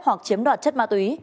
hoặc chiếm đoạt chất ma túy